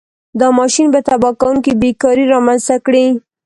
دا ماشین به تباه کوونکې بېکاري رامنځته کړي.